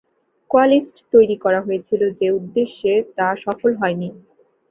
কোয়ালিস্ট তৈরি করা হয়েছিল যে উদ্দেশ্যে তা সফল হয় নি।